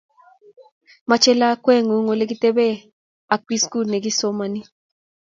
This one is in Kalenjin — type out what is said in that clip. Mochei lakwengung Ole kitebe aak bukuit nekisomani